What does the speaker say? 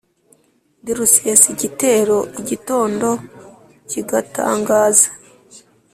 Ndi rusesa igitero igitondo kigatangaza